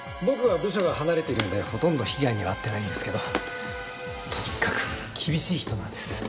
僕は部署が離れているのでほとんど被害には遭ってないんですけどとにかく厳しい人なんです。